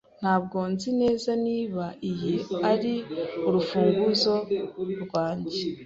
Ntabwo nzi neza niba iyi ari urufunguzo rwanjye.